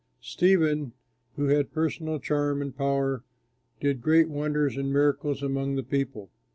Stephen, who had personal charm and power, did great wonders and miracles among the people.